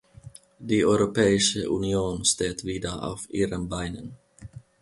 Die Europäische Union steht wieder auf ihren Beinen.